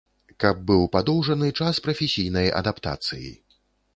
Каб быў падоўжаны час прафесійнай адаптацыі.